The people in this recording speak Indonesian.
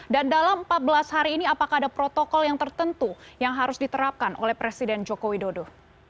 dan dalam empat belas hari ini apakah ada protokol yang tertentu yang harus diterapkan oleh presiden joko widodo